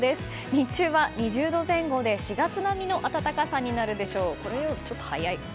日中は２０度前後で４月並みの暖かさになるでしょう。